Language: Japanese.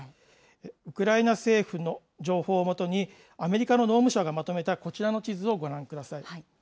ウクライナ政府の情報をもとに、アメリカの農務省がまとめたこちらの地図をご覧ください。